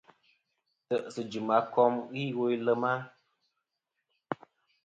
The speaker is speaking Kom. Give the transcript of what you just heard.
Ntè'sɨ jɨm a kom iwo i lema.